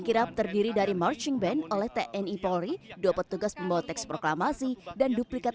kirap terdiri dari marching band oleh tni polri dua petugas pembawa teks proklamasi dan duplikat